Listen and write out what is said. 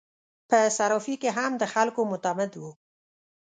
په صرافي کې هم د خلکو معتمد وو.